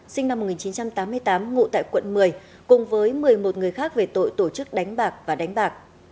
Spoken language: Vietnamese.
sinh năm một nghìn chín trăm tám mươi tám ngụ tại quận một mươi cùng với một mươi một người khác về tội tổ chức đánh bạc và đánh bạc